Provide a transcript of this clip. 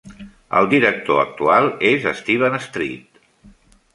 El director actual és Steven Street.